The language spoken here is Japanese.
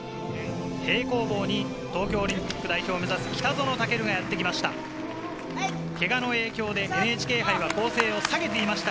平行棒に東京オリンピック代表を目指す北園丈琉がやってきました。